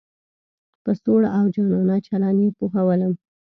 په سوړ او جانانه چلن یې پوهولم.